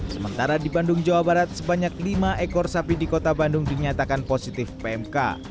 sementara di bandung jawa barat sebanyak lima ekor sapi di kota bandung dinyatakan positif pmk